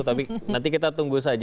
tapi nanti kita tunggu saja